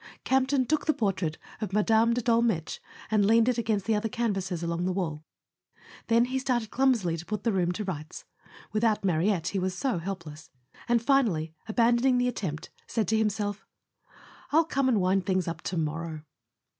Campton took the portrait of Mme. de Dolmetsch and leaned it against the other canvases along the wall. Then he started clumsily to put the room to rights—* without Mariette he was so helpless—and finally, aban [ 13 ] A SON AT THE FRONT doning the attempt, said to himself: "Fll come and wind things up to morrow."